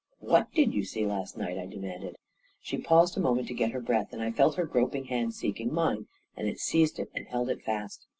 "What did you see last night?" I demanded. She paused a moment to get her breath, and I felt her groping hand seeking mine, and seized it and held it fast.